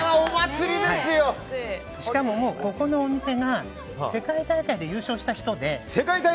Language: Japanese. しかも、ここのお店が世界大会で優勝した人で。